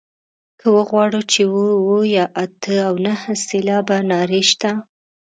که وغواړو چې اووه اووه یا اته او نهه سېلابه نارې شته.